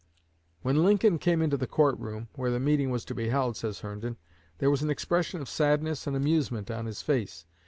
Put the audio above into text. "When Lincoln came into the court room where the meeting was to be held," says Herndon, "there was an expression of sadness and amusement on his face.